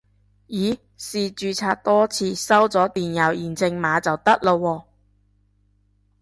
咦試註冊多次收咗電郵驗證碼就得喇喎